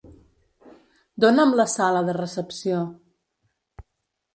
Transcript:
Dóna'm la sala de recepció.